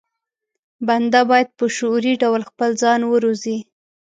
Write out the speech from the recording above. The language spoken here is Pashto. بنده بايد په شعوري ډول خپل ځان وروزي.